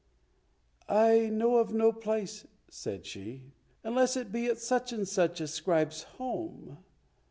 "I know of no place," said she, "unless it be at such and such a scribe's home."